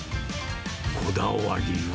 こだわりは。